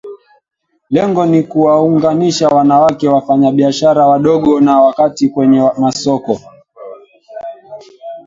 Lengo ni kuwaunganisha wanawake wafanyabiashara wadogo na wakati kwenye masoko